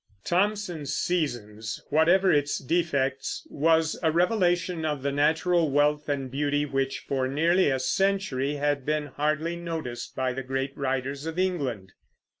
Thomson's Seasons, whatever its defects, was a revelation of the natural wealth and beauty which, for nearly a century, had been hardly noticed by the great writers of England.